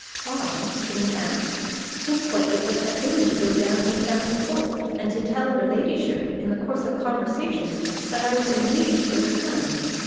"Why? Can you ask? Think what it would have been to go down to Framley Court, and to tell her ladyship in the course of conversation that I was engaged to her son.